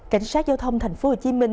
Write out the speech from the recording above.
cảnh sát giao thông tp hcm